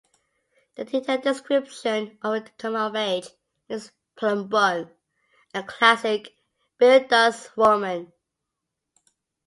The detailed description of her coming of age makes "Plum Bun" a classic "Bildungsroman".